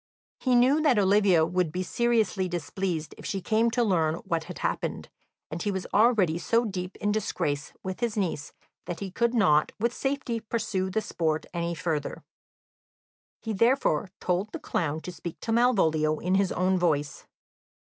He knew that Olivia would be seriously displeased if she came to learn what had happened, and he was already so deep in disgrace with his niece that he could not with safety pursue the sport any further. He therefore told the clown to speak to Malvolio in his own voice.